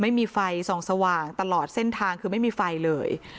ไม่มีไฟส่องสว่างตลอดเส้นทางคือไม่มีไฟเลย